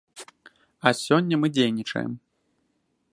А сёння мы дзейнічаем.